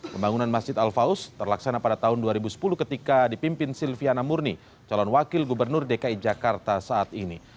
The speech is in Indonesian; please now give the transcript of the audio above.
pembangunan masjid al faus terlaksana pada tahun dua ribu sepuluh ketika dipimpin silviana murni calon wakil gubernur dki jakarta saat ini